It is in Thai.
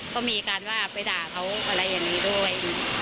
ก็มีการว่าไปด่าเขาอะไรอย่างนี้ด้วย